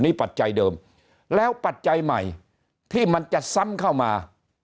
นี่ปัจจัยเดิมแล้วปัจจัยใหม่ที่มันจะซ้ำเข้ามา